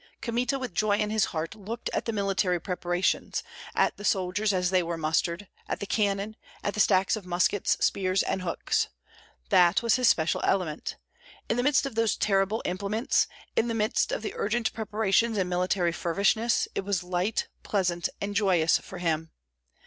Kmita with joy in his heart looked at the military preparations, at the soldiers as they were mustered, at the cannon, at the stacks of muskets, spears, and hooks. That was his special element. In the midst of those terrible implements, in the midst of the urgent preparations and military feverishness, it was light, pleasant, and joyous for him.